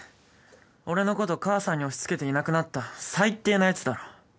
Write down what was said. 俺の事義母さんに押しつけていなくなった最低な奴だろ。